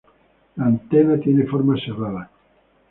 Las antenas tiene forma serrada.